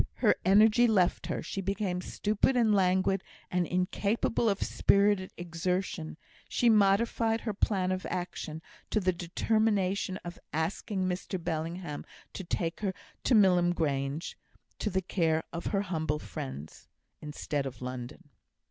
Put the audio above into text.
Her energy left her; she became stupid and languid, and incapable of spirited exertion; she modified her plan of action, to the determination of asking Mr Bellingham to take her to Milham Grange, to the care of her humble friends, instead of to London.